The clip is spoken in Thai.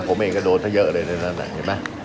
ผมเองก็โดนเยอะเลยในนั้น